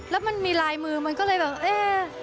แล้วมันมีลายมือมันก็เลยแบบเอ๊ะ